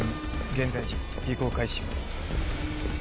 現在時尾行開始します